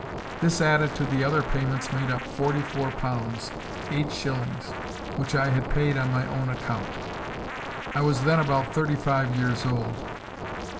This added to the other payments made up forty four pounds, eight shillings, which I had paid on my own account. I was then about thirty five years old.